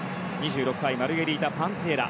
２６歳マルゲリータ・パンツィエラ。